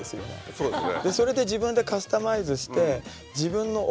そうですね。